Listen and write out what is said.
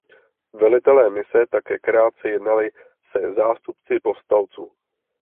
Velitelé mise také krátce jednali se zástupci povstalců.